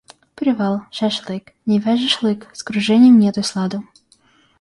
Привал, шашлык, не вяжешь лык, с кружением нету сладу.